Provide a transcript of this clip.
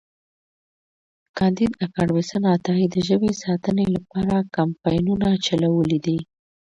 کانديد اکاډميسن عطایي د ژبې ساتنې لپاره کمپاینونه چلولي دي.